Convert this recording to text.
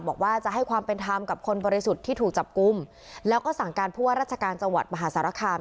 บอกว่าจะให้ความเป็นธรรมกับคนบริสุทธิ์ที่ถูกจับกลุ่มแล้วก็สั่งการผู้ว่าราชการจังหวัดมหาสารคาม